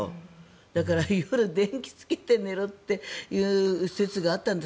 だから、夜、電気つけて寝るっていう説があったんです。